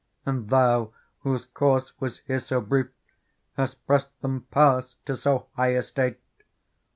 And thou, whose course was here so brief. Hast pressed them past to so high estate.